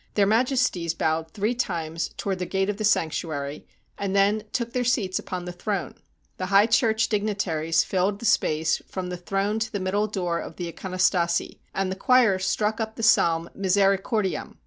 Their Majesties bowed three times toward the gate of the sanctuary, and then took their seats upon the throne; the high church dignitaries filled the space from the throne to the middle door of the ikonostase; and the choir struck up the psalm " Misericordiam.''